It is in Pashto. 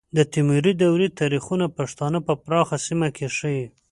د تیموري دورې تاریخونه پښتانه په پراخه سیمه کې ښیي.